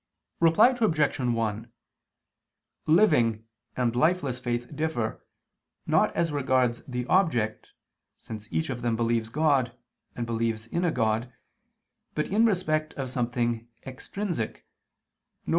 Reply Obj. 1: Living and lifeless faith differ, not as regards the object, since each of them believes God and believes in a God, but in respect of something extrinsic, viz.